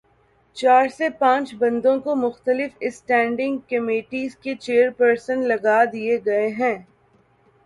چار سے پانچ بندوں کو مختلف اسٹینڈنگ کمیٹیز کے چیئر پرسن لگادیے گئے ہیں۔